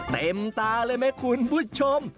เต็มตาเลยไหมคุณผู้ชม